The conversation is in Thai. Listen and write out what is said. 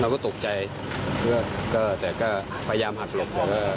เราก็ตกใจแต่ก็พยายามหัดหลบ